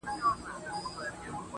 • لـــكــه ښـــه اهـنـــگ.